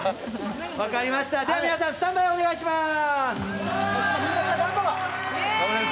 では、皆さんスタンバイ、お願いしまーす。